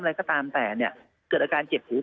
อะไรก็ตามแต่เนี่ยเกิดอาการเจ็บหู